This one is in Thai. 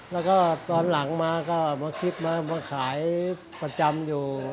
แล้วก็ตอนหลังมาก็มาคิดมาขายประจำอยู่